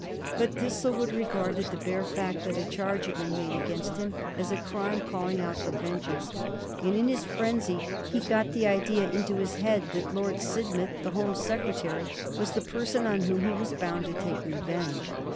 But Thistlewood regarded the bare fact that a charge had been made against him as a crime calling out for vengeance, and in his frenzy he got the idea into his head that Lord Sidmouth, the Home Secretary, was the person on whom he was bound to take revenge.